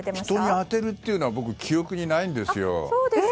人に当てるっていうのは僕、記憶にないんですよ。